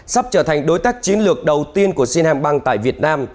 sắp trở thành đối tác chiến lược đầu tiên của sinhan bank tại việt nam